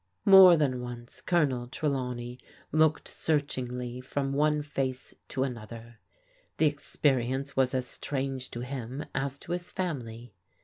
More than once Colonel Trelawney looked searching!; tl THE OLD ORDER CHANGBTH'' 19 from one face to another. The experience was as strange to him as to his family.